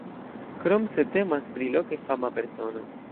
Krom se temas pri loke fama persono.